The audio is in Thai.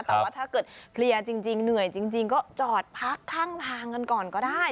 แต่ว่าถ้าเกิดเคลียร์จริงเหนื่อยจริงก็จอดพักข้างทางกันก่อนก็ได้